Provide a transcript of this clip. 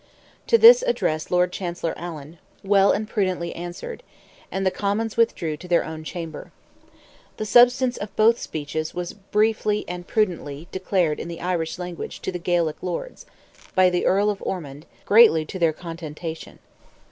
To this address Lord Chancellor Allen—"well and prudentlie answered;" and the Commons withdrew to their own chamber. The substance of both speeches was "briefly and prudentlie" declared in the Irish language to the Gaelic Lords, by the Earl of Ormond, "greatly to their contentation."